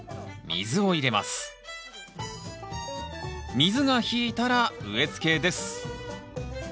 水が引いたら植えつけです